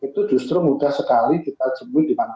itu justru mudah sekali kita jemput di mana mana